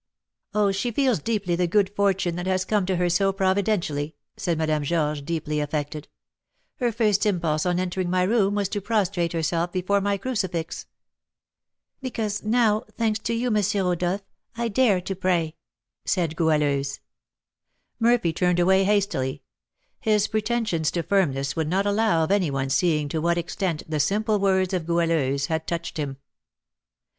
"Oh, she feels deeply the good fortune that has come to her so providentially," said Madame Georges, deeply affected; "her first impulse on entering my room was to prostrate herself before my crucifix." "Because now, thanks to you, M. Rodolph, I dare to pray," said Goualeuse. Murphy turned away hastily; his pretensions to firmness would not allow of any one seeing to what extent the simple words of Goualeuse had touched him.